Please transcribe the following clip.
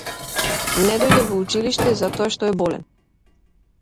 Не дојде во училиште затоа што е болен.